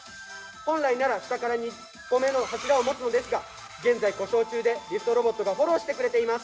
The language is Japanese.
本来なら下から２個目の柱を持つのですが現在故障中でリフトロボットがフォローしてくれています。